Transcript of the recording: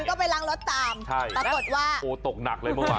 ก็ไปล้างรถตามใช่ปรากฏว่าโอ้ตกหนักเลยเมื่อวาน